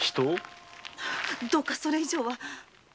どうかそれ以上は徳田様